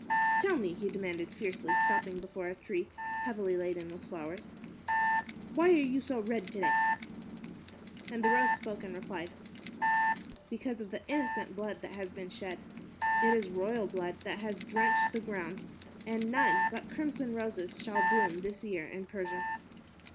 "Tell me," he demanded fiercely, stopping before a tree heavily laden with flowers, "why are you so red today?" And the roses spoke and replied, "Because of the innocent blood that has been shed. It is royal blood that has drenched the ground, and none but crimson roses shall bloom this year in Persia."